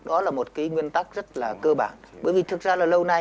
đó là một cái nguyên tắc rất là cơ bản